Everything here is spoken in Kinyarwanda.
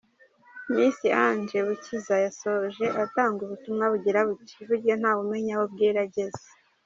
Miss Ange Bukiza yasoje atanga ubutumwa bugira buti: “Burya ntawe umenya aho bwira ageze.